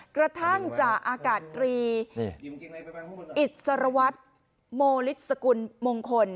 กระทั่งจากอากาศรีอิสรวรรษโมฤษกุลมงคล